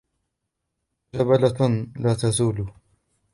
وَجِبِلَّةً لَا تَزُولُ